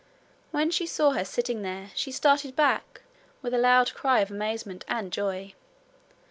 When she saw her sitting there she started back with a loud cry of amazement and joy.